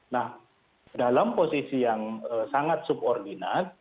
nah dalam posisi yang sangat subordinat